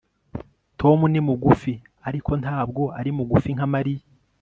Tom ni mugufi ariko ntabwo ari mugufi nka Mariya